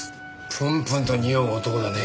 プンプンとにおう男だねぇ。